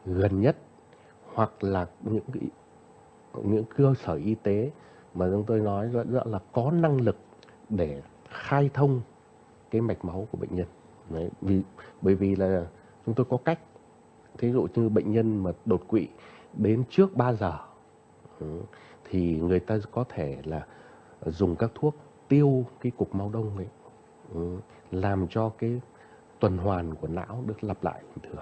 gần nhất hoặc là những cơ sở y tế mà chúng tôi nói là có năng lực để khai thông cái mạch máu của bệnh nhân bởi vì là chúng tôi có cách thí dụ như bệnh nhân mà đột quỵ đến trước ba giờ thì người ta có thể là dùng các thuốc tiêu cái cục máu đông ấy làm cho cái tuần hoàn của não được lặp lại